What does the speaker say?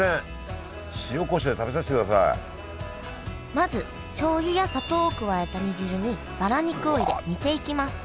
まずしょうゆや砂糖を加えた煮汁にバラ肉を入れ煮ていきます